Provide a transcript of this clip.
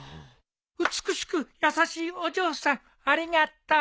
美しく優しいお嬢さんありがとう。